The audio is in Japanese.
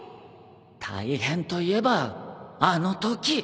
大変といえばあのとき